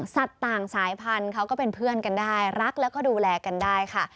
สัตว์ต่างสายพันธุ์เขาก็เป็นเพื่อนกันได้รักแล้วก็ดูแลกันได้ค่ะ